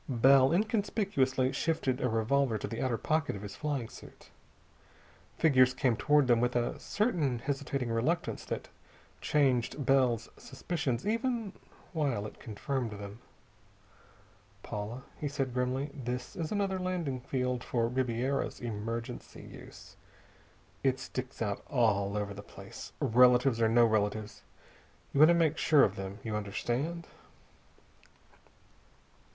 Bell inconspicuously shifted a revolver to the outer pocket of his flying suit. Figures came toward them, with a certain hesitating reluctance that changed Bell's suspicions even while it confirmed them. "Paula," he said grimly, "this is another landing field for Ribiera's emergency use. It sticks out all over the place. Relatives or no relatives, you want to make sure of them. You understand?"